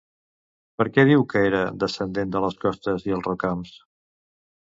Per què diu que era descendent de les costes i els rocams?